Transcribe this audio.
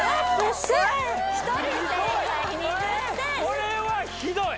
これはひどい！